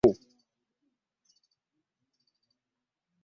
Tubaddewo mu ngeri eteri ya bulijjo.